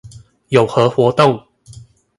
有何活動